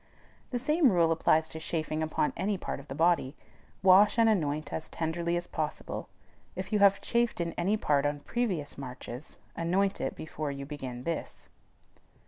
The same rule applies to chafing upon any part of the body. Wash and anoint as tenderly as possible. If you have chafed in any part on previous marches, anoint it before you begin this.